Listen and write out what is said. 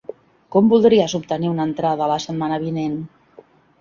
Com voldries obtenir una entrada la setmana vinent?